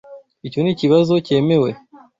Icyo nikibazo cyemewe.